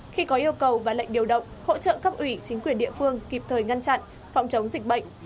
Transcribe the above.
khi có yêu cầu và lệnh điều động hỗ trợ cấp ủy chính quyền địa phương kịp thời ngăn chặn phòng chống dịch bệnh